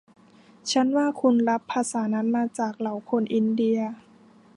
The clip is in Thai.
ฉันว่าคุณรับภาษานั้นจากมาเหล่าคนอินเดีย